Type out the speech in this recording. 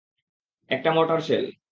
একটা mortar shell.